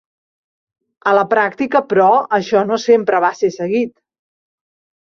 A la pràctica, però, això no sempre va ser seguit.